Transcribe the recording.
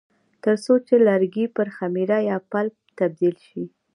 ترڅو چې لرګي پر خمیره یا پلپ تبدیل شي.